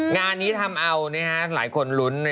งานนี้ทำเอาหลายคนลุ้น